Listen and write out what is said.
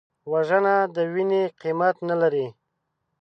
وژنه د وینې قیمت نه لري